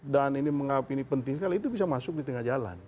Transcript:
dan ini menganggap ini penting sekali itu bisa masuk di tengah jalan